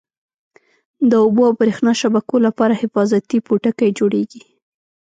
د اوبو او بریښنا شبکو لپاره حفاظتي پوټکی جوړیږي.